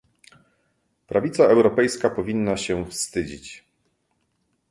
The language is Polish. Prawica europejska powinna się wstydzić!